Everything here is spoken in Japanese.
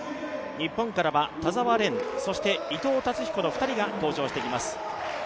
日本からは田澤廉、伊藤達彦の２人が登場してきます。